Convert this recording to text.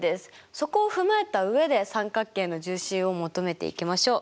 そこを踏まえた上で三角形の重心を求めていきましょう。